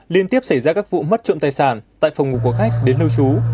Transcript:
liên tiếp xảy ra các vụ mất trộm tài sản tại phòng ngủ của khách đến lưu trú